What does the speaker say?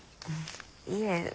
いえ。